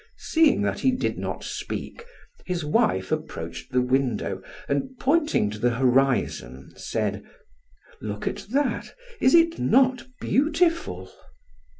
Seeing that he did not speak, his wife approached the window and pointing to the horizon, said, "Look at that? Is it not beautiful?"